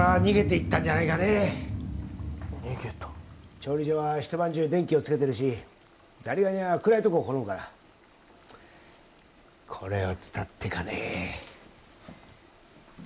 ・調理所は一晩中電気をつけてるしザリガニは暗いとこを好むからこれを伝ってかね